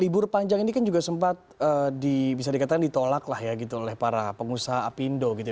libur panjang ini kan juga sempat bisa dikatakan ditolak lah ya gitu oleh para pengusaha apindo gitu